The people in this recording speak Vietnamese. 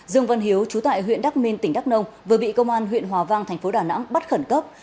dương vân hiếu chú tại huyện đắk minh tỉnh đắk nông vừa bị công an huyện hòa vang thành phố đà nẵng bắt khẩn cấp